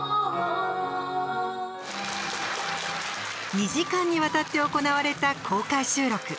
２ 時間にわたって行われた公開収録。